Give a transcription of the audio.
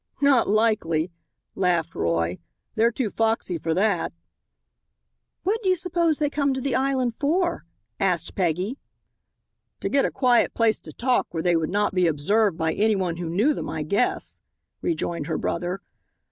"Not likely," laughed Roy, "they're too foxy for that." "What do you suppose they came to the island for?" asked Peggy. "To get a quiet place to talk where they would not be observed by any one who knew them, I guess," rejoined her brother.